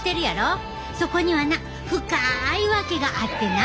そこにはな深い訳があってな。